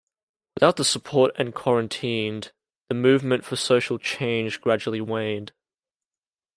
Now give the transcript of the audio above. Without the support and quarantined, the movement for social change gradually waned.